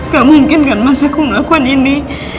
gak mungkin kan mas aku melakukan ini